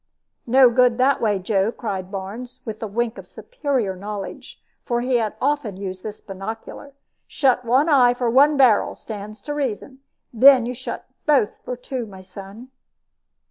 "No good that way, Joe," cried Barnes, with a wink of superior knowledge, for he often had used this binocular. "Shut one eye for one barrel stands to reason, then, you shut both for two, my son."